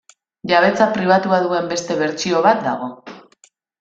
Jabetza pribatua duen beste bertsio bat dago.